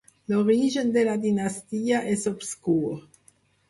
L'origen de la dinastia és obscur.